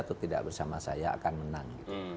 itu tidak bersama saya akan menang